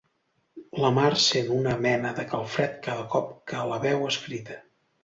La Mar sent una mena de calfred cada cop que la veu escrita.